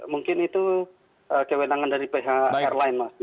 mungkin itu kewenangan dari pihak airline mas